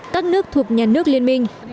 các nước thuộc nhà nước liên minh